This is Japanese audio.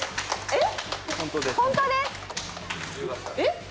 えっ？